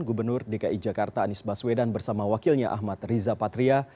gubernur dki jakarta anies baswedan bersama wakilnya ahmad riza patria